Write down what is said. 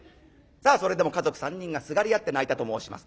さあそれでも家族３人がすがり合って泣いたと申します。